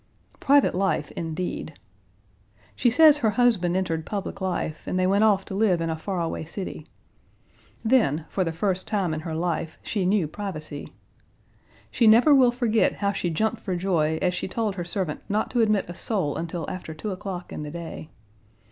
"Private life, indeed!" She says her husband entered public life and they went off to live in a far away city. Then for the first time in her life she knew privacy. She never will forget how she jumped for joy as she told her servant not to admit a soul until after two o'clock in the day.